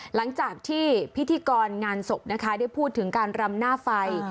หลังจากที่พิธีกรงานศพนะคะได้พูดถึงการรำหน้าไฟ